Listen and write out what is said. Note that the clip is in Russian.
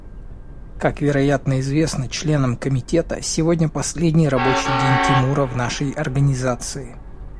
Как, вероятно, известно членам Комитета, сегодня последний рабочий день Тимура в нашей Организации.